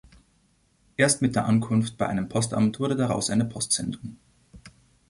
Erst mit der Ankunft bei einem Postamt wurde daraus eine Postsendung.